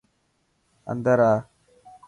اندر آ.